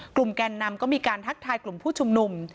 แกนนำก็มีการทักทายกลุ่มผู้ชุมนุม